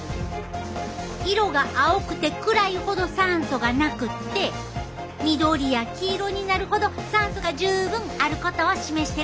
色が青くて暗いほど酸素がなくって緑や黄色になるほど酸素が十分あることを示してるで。